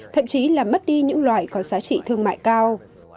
thậm chí là mất đi những loài có giá trị thương mại cao